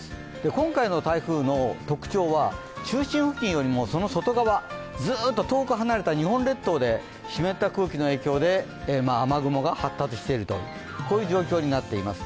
今回の台風の特徴は中心付近よりもその外側、ずっと遠く離れた日本列島で湿った空気の影響で雨雲が発達しているという状況になっています。